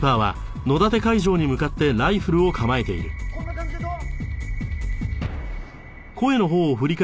こんな感じでどう？